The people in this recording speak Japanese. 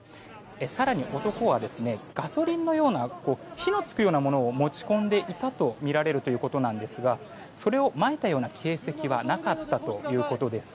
更に男はガソリンのような火のつくようなものを持ち込んでいたとみられるということですがそれをまいたような形跡はなかったということです。